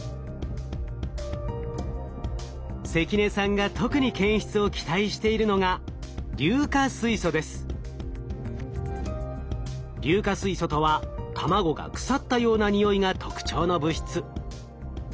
関根さんが特に検出を期待しているのが硫化水素とは卵が腐ったようなにおいが特徴の物質。